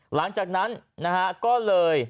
หลังจากนั้นก็เลย